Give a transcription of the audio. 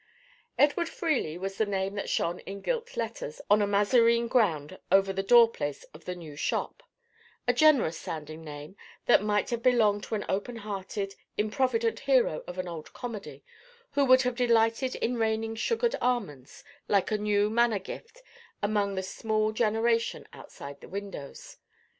Edward Freely was the name that shone in gilt letters on a mazarine ground over the doorplace of the new shop—a generous sounding name, that might have belonged to the open hearted, improvident hero of an old comedy, who would have delighted in raining sugared almonds, like a new manna gift, among that small generation outside the windows.